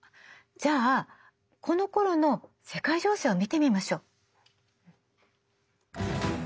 じゃあこのころの世界情勢を見てみましょう。